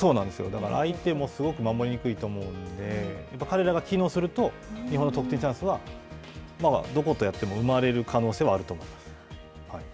だから、相手もすごく守りにくいと思うので、やっぱり彼らが機能すると、日本の得点チャンスはどことやっても生まれる可能性はあると思います。